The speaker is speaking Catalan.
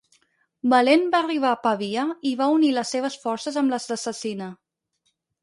Valent va arribar a Pavia i va unir les seves forces amb les de Cecina.